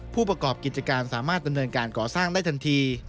ผู้ประกอบกิจการสามารถดำเนินการก่อสร้างได้ทันที